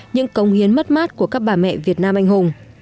những công hiến mất mát của các bà mẹ việt nam anh hùng